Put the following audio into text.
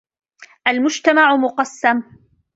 المجتمع مقسم.